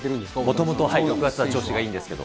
もともと６月は調子がいいんですけど。